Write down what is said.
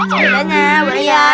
sepedanya bu ayan